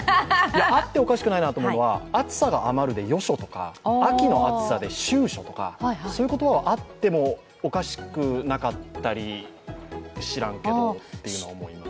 あっておかしくないと思うのは、暑さが余るで余暑とか秋の暑さで秋暑とか、そういう言葉はあってもおかしくなかったり、知らんけどと思います。